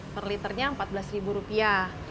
per liternya empat belas rupiah